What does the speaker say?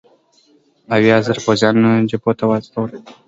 اویا زره پوځیان جبهو ته واستول.